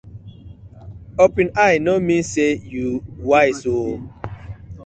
Open eye no mean say yu wise ooo.